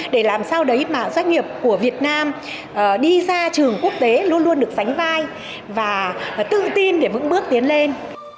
để làm sao đấy mà doanh nghiệp của việt nam đi ra trường quốc tế luôn luôn được sánh vai và tự tin để vững bước tiến lên